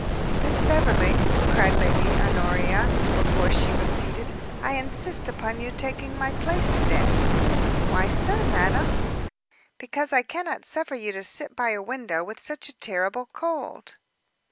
"Miss Beverley," cried Lady Honoria, before she was seated, "I insist upon your taking my place to day." "Why so, madam?" "Because I cannot suffer you to sit by a window with such a terrible cold."